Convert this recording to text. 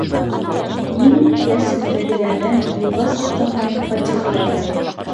- Мин ул рәсемдәгеләрҙән юлға сыҡҡан һайын фатиха һорайым.